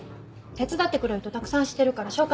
手伝ってくれる人たくさん知ってるから紹介する。